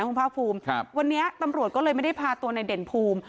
คุณภาคภูมิครับวันนี้ตำรวจก็เลยไม่ได้พาตัวในเด่นภูมิ